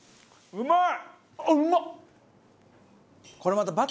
うまい！